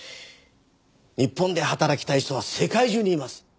日本で働きたい人は世界中にいます。